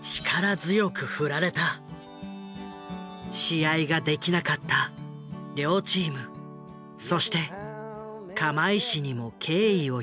試合ができなかった両チームそして釜石にも敬意を表して。